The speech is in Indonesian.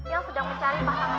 yang sedang mencari pahangan